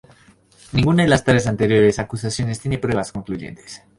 Ninguna de las tres anteriores acusaciones tiene pruebas concluyentes.